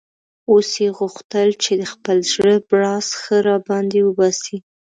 اوس یې غوښتل چې د خپل زړه بړاس ښه را باندې وباسي.